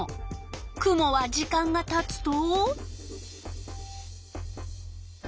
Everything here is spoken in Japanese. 雲は時間がたつと？